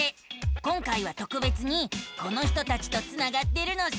今回はとくべつにこの人たちとつながってるのさ。